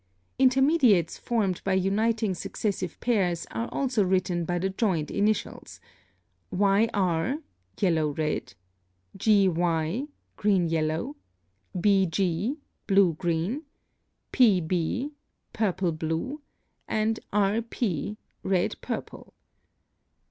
Intermediates formed by uniting successive pairs are also written by the joined initials, YR (yellow red), GY (green yellow), BG (blue green), PB (purple blue), and RP (red purple).